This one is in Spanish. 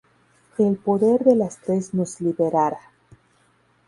El poder de las tres nos liberara.